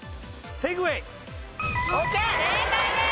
正解です。